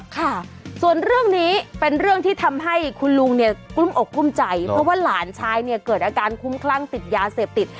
ค่ะส่วนเรื่องนี้เป็นเรื่องที่ทำให้คุณลุงเนี่ยกลุ้มอกกลุ้มใจเพราะว่าหลานชายเนี่ยเกิดอาการคุ้มคลั่งติดยาเสพติด